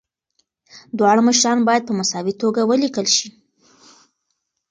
دواړه مشران باید په مساوي توګه ولیکل شي.